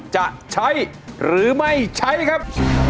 จะใช้หรือไม่ใช้ครับ